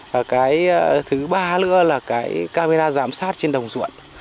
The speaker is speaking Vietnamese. và cái thứ ba nữa là cái camera giám sát trên đồng ruộng